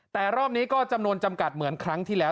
แต่รอบนี้ก็จำนวนจำกัดเหมือนครั้งที่แล้ว